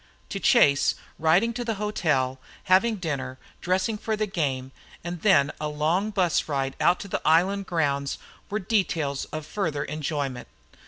To Chase, riding to the hotel, having dinner, dressing for the game, and then a long bus ride out to the island grounds were details of further enjoyment.